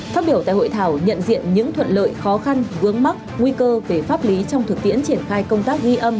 phát biểu tại hội thảo nhận diện những thuận lợi khó khăn vướng mắt nguy cơ về pháp lý trong thực tiễn triển khai công tác ghi âm